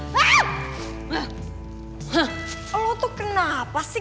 lo tuh kenapa sih